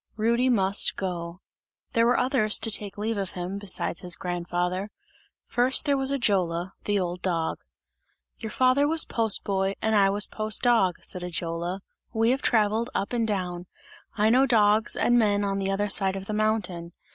Rudy must go. There were others to take leave of him, besides his grandfather; first there was Ajola, the old dog. "Your father was post boy and I was post dog," said Ajola. "We have travelled up and down; I know dogs and men on the other side of the mountain.